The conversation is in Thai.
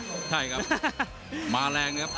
นี่ครับ